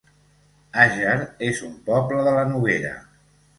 Àger es un poble de la Noguera